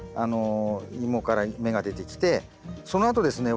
イモから芽が出てきてそのあとですね